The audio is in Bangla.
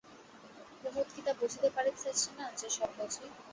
কুমুদ কি তা বুঝিতে পারিতেছে না, যে সব বোঝে?